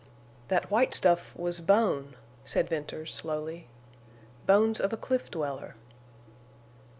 "That white stuff was bone," said Venters, slowly. "Bones of a cliff dweller."